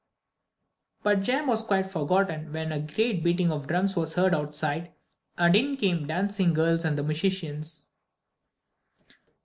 But Jam was quite forgotten when a great beating of drums was heard outside and in came the dancing girls and the musicians.